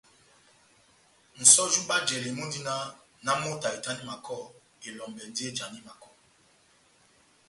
Nʼsɔjo mú bajlali mundi náh : nahámoto ahitani makɔ, elɔmbɛ yɔ́ndi éjani makɔ.